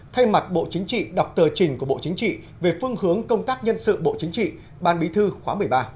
thay mặt bộ chính trị đọc tờ trình của bộ chính trị về phương hướng công tác nhân sự bộ chính trị ban bí thư khóa một mươi ba